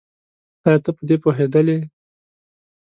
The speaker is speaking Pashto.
ايا ته په دې پوهېدلې؟